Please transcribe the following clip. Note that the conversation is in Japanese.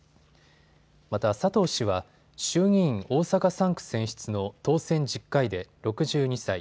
また佐藤氏は衆議院大阪３区選出の当選１０回で６２歳。